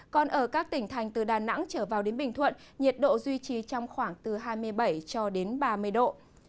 còn ở các tỉnh thành từ đà nẵng trở vào đến bình thuận nhiệt độ duy trì trong khoảng từ hai mươi bảy cho đến ba mươi độ